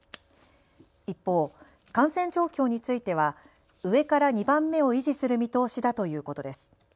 一方、感染状況については上から２番目を維持する見通しだということです。